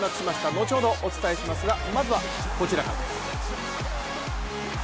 後ほどお伝えしますがまずはこちらから。